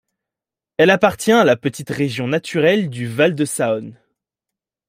Elle appartient à la petite région naturelle du Val de Saône.